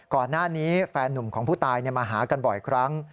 ก่อนหน้านี้แฟนนุ่มของผู้ตายมาหากันบ่อยครั้ง